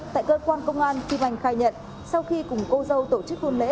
tại cơ quan công an kim oanh khai nhận sau khi cùng cô dâu tổ chức hôn lễ